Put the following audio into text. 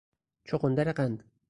چغندر قند